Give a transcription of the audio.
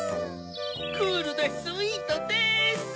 クールでスイートです！